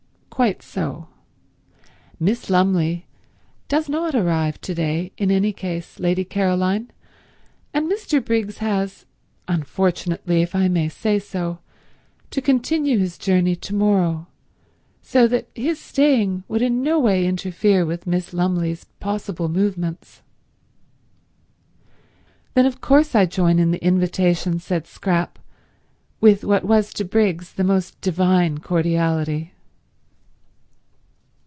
"Quite so. Miss Lumley does not arrive to day in any case, Lady Caroline, and Mr. Briggs has—unfortunately, if I may say so—to continue his journey to morrow, so that his staying would in no way interfere with Miss Lumley's possible movements." "Then of course I join in the invitation," said Scrap, with what was to Briggs the most divine cordiality.